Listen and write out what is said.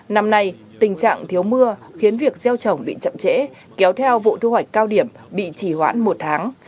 năm nay tình trạng thiếu mưa khiến việc gieo trồng bị chậm trễ kéo theo vụ thu hoạch cao điểm bị chỉ hoãn một tháng